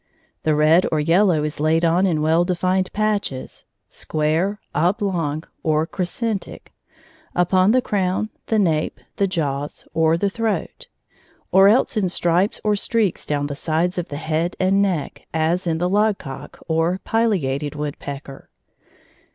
The red or yellow is laid on in well defined patches square, oblong, or crescentic upon the crown, the nape, the jaws, or the throat; or else in stripes or streaks down the sides of the head and neck, as in the logcock, or pileated woodpecker.